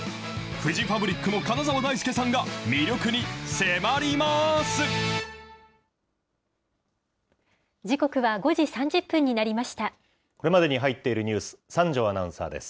フジファブリックの金澤ダイスケさんが魅力に迫ります。